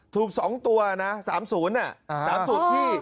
ถูกสองตัวนะสามศูนย์น่ะสามศูนย์ที่